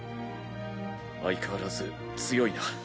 相変わらず強いな。